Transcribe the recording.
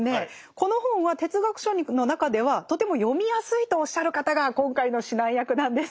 この本は哲学書の中ではとても読みやすいとおっしゃる方が今回の指南役なんです。